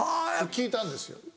聞いたんですよ